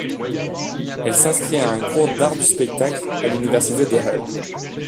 Elle s'inscrit à un cours d'Art du spectacle à l'université de Hull.